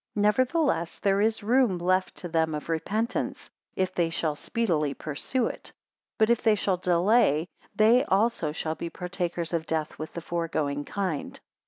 183 Nevertheless there is room left to them of repentance, if they shall speedily pursue it; but if they shall delay, they also shall be partakers of death with the foregoing kind.